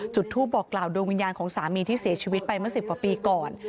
จุดทูปบอกกล่าวดวงวิญญาณของสามีที่เสียชีวิตไปเมื่อ๑๐กว่าปีก่อน